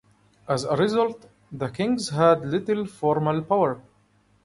As a result, the kings had little formal power.